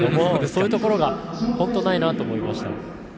そういうところが本当ないなと思いました。